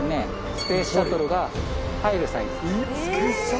スペースシャトルが入るサイズですえー！